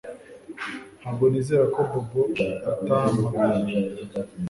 Ntabwo nizera ko Bobo atahamagaye